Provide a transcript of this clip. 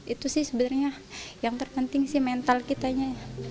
itu sih sebenarnya yang terpenting sih mental kitanya